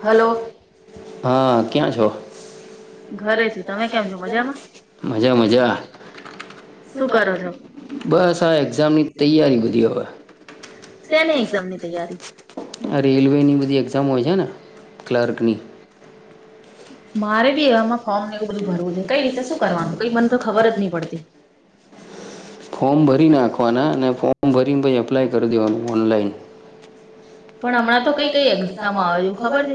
Hello હા ક્યાં છો? ઘરે છુ તમે કેમ છો મજા મજા. હું કરો છો. બસ આ એક્ઝામની તૈયારી બધી હવે. સેની એક્ઝામ ની તૈયારી. આ રેલવે ની બધી એક્ઝામ હોય છે ને ક્લાર્કની. મારે બી એમાં ફોર્મ ને એવું બધું ભરવું જો કઈ રીતે શું કરવાનું કઈ મને તો ખબર જ નહી પડતી. ફોર્મ ભરી નાખવાના અને ફોર્મ ભરીને પછી અપ્લાય કરી દેવાનું ઓનલાઈન. પણ હમણાં તો કઈ કઈ એક્ઝામો આવે ખબર હૈ.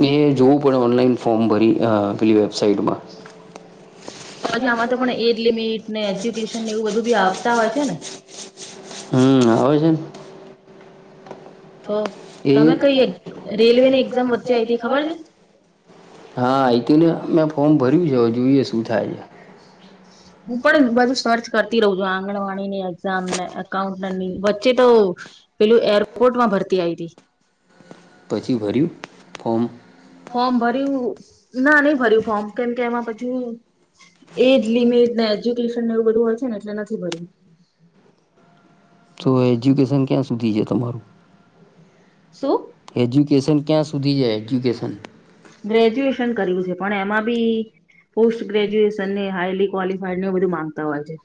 મે જોવું પડે ઓનલાઈન ફોર્મ ભરી અ પેલી વેબસાઈટમાં. પછી આમાં તો પણ એજ લિમિટ ને એજ્યુકેશન ને એવું બધું બી આવતા હોય છે ને. હું આવે છે ને. તો એ તમે કઈ રેલવે ની એક્ઝામ વચ્ચે આ‌ઇ તી ખબર છે. હા આઇ થી ને એમે ફોર્મ ભર્યું છે જોઈએ શું થાય છે. હ [unintelligible] હું પણ બધું સર્ચ કરતી રહું છું આંગણવાડીની એક્ઝામ એકકાઉન્ટની વચ્ચે તો. પેલું એરપોર્ટ માં ભરતી આઈ તી. પછી ભર્યું ફોર્મ. ફોર્મ ભર્યું ના નહી ભર્યું ફોર્મ કેમ કે એમાં પછુ. એજ લિમિટ ને એજ્યુકેશન એવું બધું હતું ને એટલે નથી ભર્યું. તો એજ્યુકેશન ક્યાં સુધી છે તમારું. શું. એજ્યુકેશન ક્યાં સુધી હે એજ્યુકેશન. ગ્રેજ્યુએશન કર્યું છે પણ એમાં બી. પોસ્ટ ગ્રેજ્યુએશન ને હાઈલી ક્વલિફાઈડ ને એ બધું માંગતા હોય છે.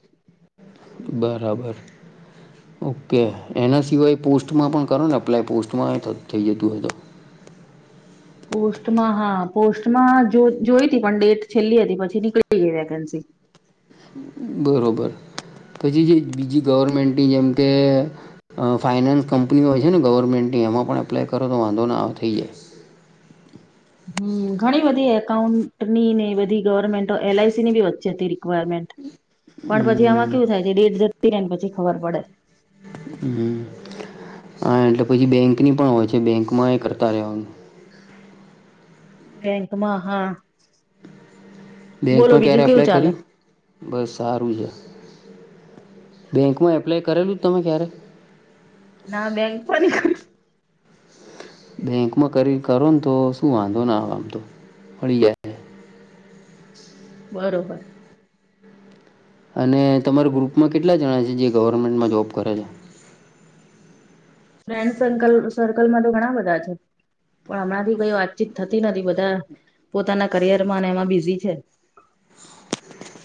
બરાબર. ઓકે એના સિવાય પોસ્ટમાં પણ કરો ને અપ્લાય પોસ્ટમાં થઈ જતું હોય તો. પોસ્ટમાં હા પોસ્ટમાં જો જોઈ તી પણ ડેટ છેલ્લી હતી પછી નીકળી ગઈ વેકેન્સી. બરોબર પછી જે બીજી ગવર્મેન્ટની જેમ કે. અ ફાઇનેન્સ કંપનીઓ હોય છે ને ગવર્મેન્ટની એમાં પણ એપ્લાય કરો તો વાંધો ન આવ થઈ જાય. હમ ઘણી બધી એકાઉન્ટની ને બધી ગવર્મેન્ટ એલઆઈસી ની બી વચ્ચે હતી રિક્વાયરમેન્ટ. પણ પછી આમાં હમ કેવું થાય છે દેટ જતી રહે ને પછી ખબર પડે. હ હા એટલે પછી બેંક ની પણ હોય છે બેંક માં એ કરતા રહવાનું. બેંકમાં હા બોલો બેંકમાં ક્યારે બીજું કેવું એપ્લાય ચાલે. કર્યું બસ સારું છે બેંકમાં એપ્લાય કરેલું તમે ક્યારે. ના બેંક પણ ન‌ઇ કરતું. બેંકમાં કરી કરો ને તો શું વાંધો ના આમતો મળળી બરોબર. અને તમારા ગ્રુપમાં કેટલા જણા છે જે ગવર્મેન્ટમાં જોબ કરે છે. ફ્રેન્ડ સર્કલ સર્કલમાં તો ઘણા બધા છે પણ હમણાં થી કઈ વાતચીત થતી નથી બધા. પોતાના કરિયર માં અને એમાં બિઝી છે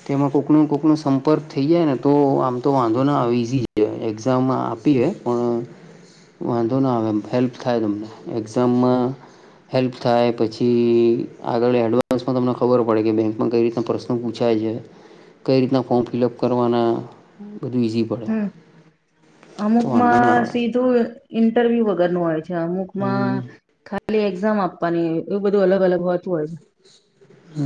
તેમાં કોકનું કોકનો સંપર્ક થઈ જાય ને તો આમ તો વાંધો ના ઈઝી એક્ઝામાં આપીએ પણ વાંધો ના આવે એમ હેલ્પ થાય તમને એક્ઝામમાં. હેલ્પ થાય પછી આગળ એડવાન્સમાં તમને ખબર પડે કે બેંકમાં કઈ રીતના પ્રશ્નો પૂછે છાય છે, કઈ રીતના ફોર્મ ફિલઅપ કરવાના બધું ઇઝી પડે હમ તો વાંધો ના અમુકમાં આવે સીધ શું ઈન્ટરવ્યુ વગર નું હોય છે, અમુકમાં હમ ખાલી એક્ઝામ આપ ની એવું બધું અલગ અલગ હોતું હોય છે. હ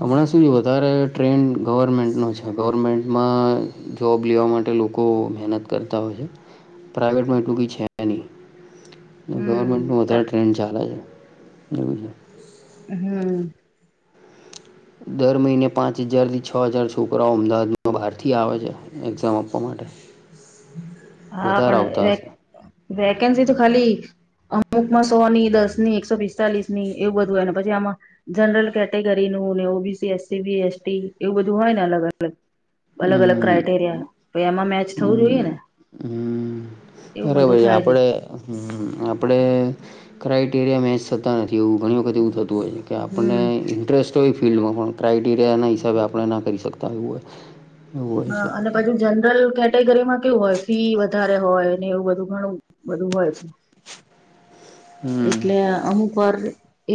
હમણાં શું વધારે ટ્રેન્ડ ગવર્મેન્ટનો છે, ગવર્મેન્ટમાં જોબ લેવા માટે લોકો મહેનત કરતા હોય છે, પ્રાઈવેટમાં એટલું કઈ છે. નહી. હમ ગવર્મેન્ટ ન વધારે ટ્રેન ચાલે છે, એવું છે. હમ. દર મહિને પાંચ હજાર થી છ હજાર છોકરાઓ અમદાવાદમાં બહાર થી આવે છે, એક્ઝામ આપવા માટે. [inaudible] હા આવતા પણ વ હશે વેકેન્સી તો ખાલી અમુક માં સો ની દસ ની એકસો પિસ્તાલીસ ની એવું બધું હોય ને પછી આમાં. જનરલ કેટેગરીનું ઓબીસી એસસી બી-એસટી એવું બધું હોય ને અલગ અલગ. અલગ અલગ હમ ક્રાઈટેરિયા તો એમાં મેચ થવું જોઈએ હમ ને. હમ એવું બરાબર બધું થાય છે. આપણે હ આપણે ક્રાઇટેરિયા મેચ થતા નથી એવું ઘણી વખત એવું થતું હોય છે. કે આપણને હમ ઇન્ટરેસ્ટ હોય ફિલ્ડમાં પણ ક્રાઇટેરિયાના હિસાબે આપણે ના કરી શકતા આવું હોય એવું હોય હા છે અને પછી જનરલ કેટેગરીમાં કેવું હોય ફી વધારે હોય ને એવું બધું ઘણું બધું હોય છે. હમ એટલે અમુક વાર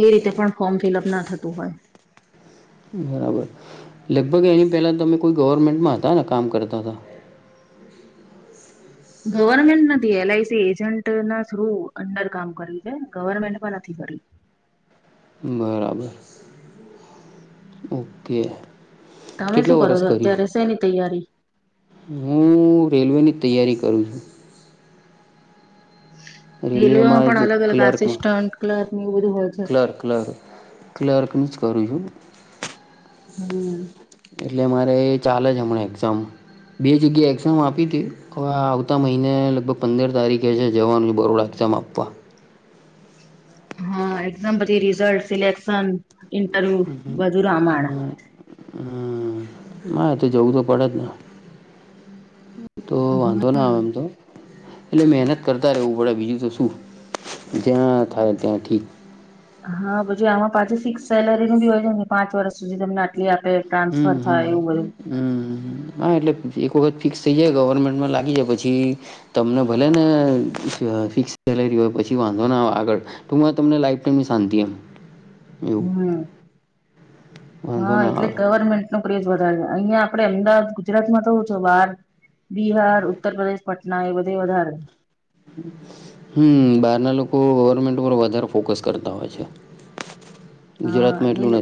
એ રીતે પણ ફોર્મ ફિલઅપ ના થતું હોય. બરાબર લગભગ એની પહેલાં તમે કોઈ ગવર્મેન્ટમાં હતા ને કામ કરતા હતા ગવર્મેન્ટ નથી એલઆઈસી એજન્ટ ના થ્રુ અંદર કામ કર્યું છે, ગવર્મેન્ટ પણ નથી કરીયુ બરાબર ઓકે. તમે શું કેટલા કરો વરસ છો કર્યું અત્યારે શેની તૈયારી? હું રેલવેની તૈયારી કરું છું. રેલવેમાં પણ જે અલગ અલગ ક્લારકમાં આસિસ્ટન્ટ ક્લર્ક એવું બધું હોય છે ક્લારક-ક્લક ક્લર્ક નીજ કરું છું. હમ એટલે મારે ચાલે છે, હમણાં એક્ઝામ બે જગ્યાએ એક્ઝામ આપી હતી. હવે આવતા મહિને લગભગ પંદર તારીખે છે, જવાનું છે, બરોડ એક્ઝામ આપવા. હા એક્ઝામ પછી રિઝલ્ટ સિલેક્શન ઇન્ટરવ્યુ હમ બધુ રામાણ હમ ના તો જોવું તો પડે જ ને તો વાંધો ના આમ એમ હમ તો એટલે મહેનત કરતા રહેવું પડે બીજું તો શું જ્યાં થાય ત્યાં ઠીક. હા પછી આમાં પાછું ફિક્સ સેલેરી નું બી હોય છે, ને પાંચ વર્ષ સુધી તમને આટલી આપે ટ્રાન્સફર હમ-હમ થાય એવું બધું હ-હા એટલે એક વખત ફિક્સ થઈ જાય ગવર્મેન્ટમાં લાગી જાય પછી તમને ભલે ને ફિક્સ કરેલી હોય પછી વાંધો ના આવે આગળ તો તમને લાઈફ ટાઈમની શાંતિ એમ એવું હમ વાંધો હા ના એટલે આવે ગવર્મેન્ટ નો ક્રેજ વધારે અહિયાં આપડણે અમદાવાદ ગુજરાતમાં તો છો બાર બિહાર ઉત્તરપદેશ પટના એ બધે વધારે. હમ્મ બાર ના લોકો ગવર્મેન્ટ પર વધારે ફોકસ કરતા હોય છે. હા ગુજરાતમાં એ એટલું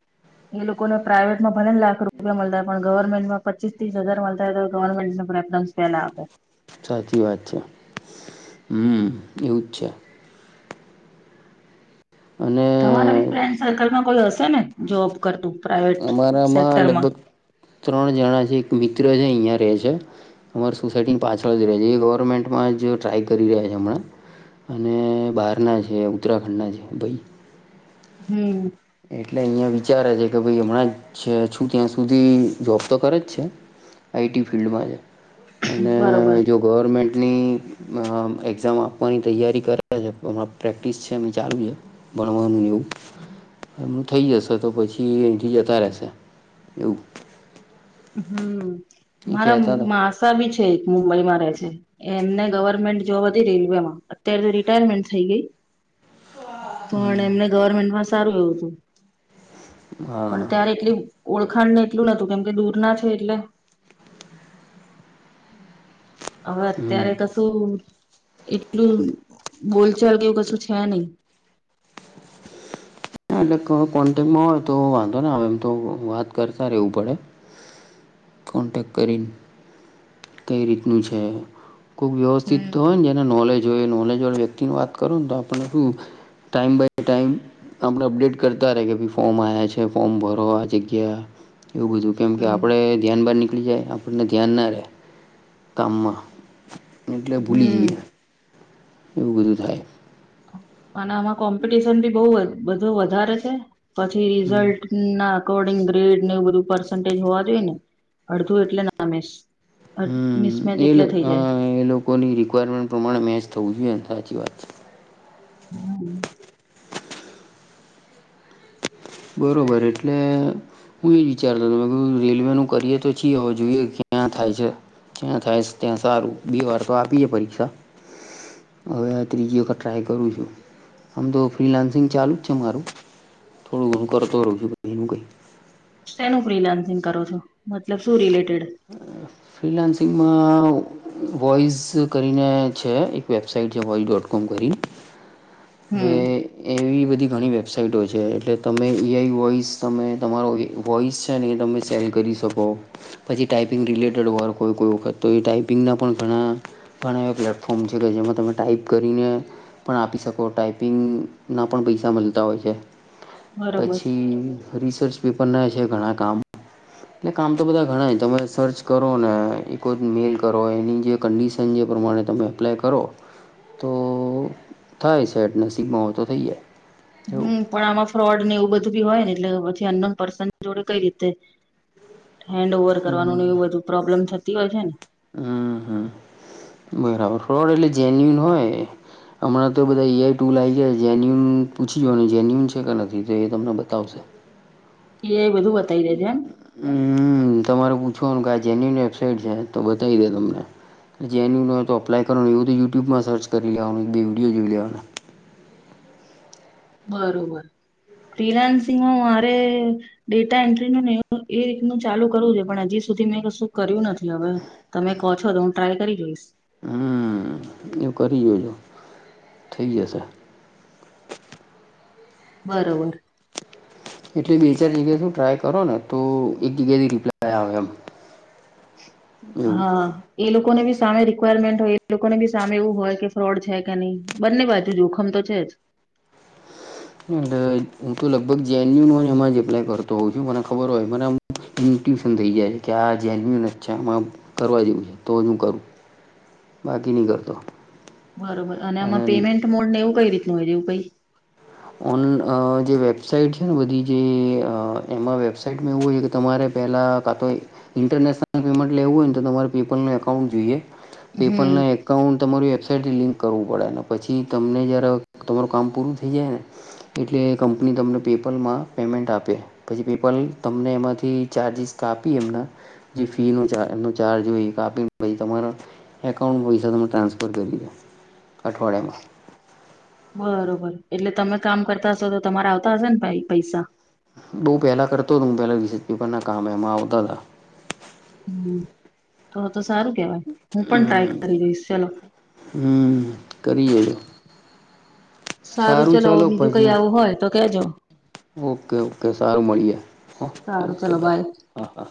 [inaudible] એ લોકોને પ્રાઇવેટમાં ભલેને લાખ રૂપિયા મળતા પણ ગવર્મેન્ટમાં પચીસ ત્રીસ હજાર મળતા હો તો ગવર્મેન્ટ પ્રેફ વેલા આપે સાચી વાત છે, મમ્મ એવુંજ છે. અને તમારે ફ્રેન્ડ સર્કલમાં કોઈ હશે ને જોબ કરતું પ્રાાઈવેટ અમારામાં સેક્ટરમાં લગભગ ત્રણ જણા છે એક મિત્ર છે અહિયા રે છે અમારી સોસાયટીની પાછળ જ રય છે એ ગવર્મેન્ટમાં જ ટ્રાય કરી રહ્યા છે હમણાં અને બહારના છે ઉત્તરાખંડના છે એ ભાઈ હમ એટલે અહીયાં વિચારે છે કે ભાઈ હમણાં જ છું ત્યાં સુધી જોબ તો કરે જ છે આઈટી ફિલ્ડમાં છે અને બરોબર જો ગવર્મેન્ટની અ એક્ઝામ આપવાની તૈયારી કરે છે [unintelligible] પ્રેક્ટિસ છે એ ચાલુ છે ભણવાનું એવું એમ થઈ જશે તો પછી અઈથી જતા રહેશે એવું હમ એ મારા કેતા હતા માસા ભી છે એક મુંબઈ માં રે છે એમને ગવર્મેન્ટ જોબ હતી રેલવેમાં અત્યારે તો રિટાયરમેન્ટ થઈ ગઈ પણ હમ એમને ગવર્મેન્ટમાં સારું એવું તું. હા પણ ત્યારે એટલી ઓળખાણ ને એટલું નતું કેમ કે દૂર ના છે એટલે હવે હમ અત્યારે તો શું એટલું બોલચાલ કેવું કશું છે નઈ. [inaudible] ના એટલે કો કોન્ટેકમાં હોય તો વાંધો ને આવે એમ તો વાત કરતા રેવું પડે કોન્ટેક્ટ કરીન કઈ રીતનું છે કોઈ વ્યવસ્થિત હમ તો હોય ને જેને નોલેજ જો એ નોલેજવાળા વ્યક્તિની વાત કરુ ને તો આપને શું ટાઈમ બાય ટાઈમ આપડે અપડેટ કરતા રે કે ભાઈ ફોમ આવ્યા છે ફોમ ભરો આ જગ્યા એવું બધું કેમ કે હમ આપડે ધ્યાન બાર નીકળી જાય આપણને ધ્યાન ના રે. કામમાં એટલે ભૂલી હમ જઈએ. એવું બધું થાય. અને આમાં કોમ્પિટિશન બી બઉ બધું વધારે છે પછી હમ રિઝલ્ટ ના અકોર્ડિંગ ગ્રેડ ને એવું બધું પર્સન્ટેજ હોવા જોઈએ ને અડધું એટલે નામે હમ.. એલું હ એલુ કોઈની રિક્વાયરમેન્ટ પ્રમાણે મેચ થવું જોઈએ ને સાચી વાત છે. [inaudible] બરોબર એટલે હું એ વિચારતો ત મે રેલવે નું કરીએ તો છીએ હોવે જોઈએ ક્યાં થાય છે. ત્યાં થાય સે ત્યાં સારું બે વાર તો આપી એ છે પરીક્ષા હવે આ ત્રીજી વખત ટ્રાય કરું છું. આમ તો ફ્રીલાન્સિંગ ચાલુ જ છે મારું. થોડું ઘોડું કરતો રહું છું કઈનું કઈ. શેનું ફ્રીલાન્સિંગ કરો છો? મતલબ શું રિલેટેડ ફ્રીલાન્સીંગમાં આવુ વોઇઝ કરીને છે એક વેબસાાઈટ જે વોઇ ડોટ કોમ કરીન. હવે હમ એવી બધી ઘણી વેબસાઇટો છે એટલે તમે એઆઈ વોઇસ તમે તમારો વોઈસ છે ને એ તમે સેલ કરી શકો. પછી ટાઈપિંગ રિલેટેડ વર્ક હોય કોઈ વખત તો એ ટાઈપિંગના પણ ઘણા ઘણા એવા પ્લેટફોર્મ છે કે જેમાં તમે ટાઈપ કરીને પણ આપી શકો ટાાઈપિંગના પણ પૈસા મળતા હોય છે બરોબર. પછી રિસર્ચ પેપર ના છે ઘણા કામ એટલે કામ તો બધા ઘણા જ તમે સર્ચ કરો ને એક જ મેલ કરો એની જે કંડિશન જે પ્રમાણે તમે એપ્લાય કરો તો થાય સેટ નસીબમાં હોય તો થઈ જાય. એવું હમ પણ આમાં ફ્રોડ ને એવું બધું બી હોય ને એટલે પછી અનનોન પર્સન જોડે કઈ રીતે હેન્ડ ઓવર કરવાનું એવું બધું પ્રોબ્લેમ થતી હોય છે ને. હમ હમ [unintelligible] એટલે જેન્યુન હોય હમણાં તો બધા ઈ આઈ ટૂલ આવી ગયા જેન્યુન પૂછ લઈએ જેન્યુન છે કે નથી તો એ તમને બતાવશે [unintelligible] હમ તમારે પૂછવાનું કે આ જેની વેબસાાઈટ છે તો બતાવી દે તમને [unintelligible] અપ્ય કરોનું એતો યુટ્યુબમાં સર્ચ કરીલેવાનું એક બે વિડીયો જોઈ લેવાનો બરોબર રિલાયન્સ માં મારે ડેટા એન્ટ્રી ન ને એ રીતનું ચાલુ કરવું છે પણ હજી સુધી મેં કશું કર્યું નથી હવે તમે કહો છો તો હું ટ્રાય કરી જોઈશ. હમ એવું કરી જોજો થઈ જશે બરોબર એટલે બે ચાર જગ્યાએ શું ટ્રાય કરો ને તો એક જગ્યાથી રિપ્લાય આવે એમ [inaudible] હા એ લોકોને બી સામે રિક્વાયરમેન્ટ હોય એ લોકોને બી સામે એવું હોય કે ફ્રોડ છે કે નહી. બંની બાજુ જોખમ તો છે જ એલે હું તો લગભગ [unintelligible] ન એમાં જ એપ્લાય કરતો હોઉ છું મને ખબર હોય મને ન્યુટ્યુશન થઈ જાય છે કે આ જેન્યુન અછામાં કરવા જેવું છે તો હું કરું બાકી નહી કરતો બરોબર અને આમાં પેમેન્ટ મોડ ને એવું કઈ રીતનું હોય એવ કઈ આની આ જે વેબસાાઈટ છે ને બધી જે એમાં વેબસાાઈટ મે એવું હોય છે કે તમારે પહેલાં હમ્મ. [unintelligible] અકાઉન્ટ તમારી વેબસાઈટથી લિંક કરવું પડે ને પછી તમને જ્યારે તમારું કામ પૂરું થઈ જાય ને એટલે કંપની તમને પેપલમાં પેમેન્ટ આપે પછી પેપલ તમને એમાંથી ચાર્જિસ કાપી એમના જે ફી ન ચ એ ચાર્જ હોય કાપી પ તમારાથી એકાઉન્ટમાં પૈસા તો મે ટ્રન્સફર કરી દો અઠવાડયામાં બરોબર એટલે તમે કામ કરતા હશો તો તમારે આવતા હશે ને પૈસા બહુ પહેલાં કરતો હતો હું પહેલાં રિસીઝ પેપના કામ એમાં આવતા હતા હમ તો તો સારું કેવાય હું પણ હમ ટ્રાય કરી દઈશ ચલો હમ કરજો સારું ચલો ચાલો બીજું કઈ પછી આવું હોય તો કેજો ઓકે સારું મળીએ હા સારું ઓકે ચલો બાય હા હા